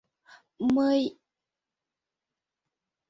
Мый...